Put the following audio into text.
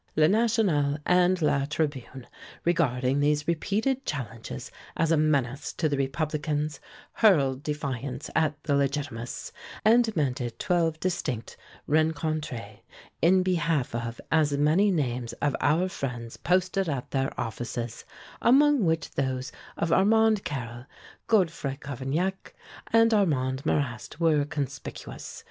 'Le National' and 'La Tribune,' regarding these repeated challenges as a menace to the Republicans, hurled defiance at the Legitimists, and demanded twelve distinct rencontres in behalf of as many names of our friends posted at their offices, among which those of Armand Carrel, Godefroi Cavaignac and Armand Marrast were conspicuous.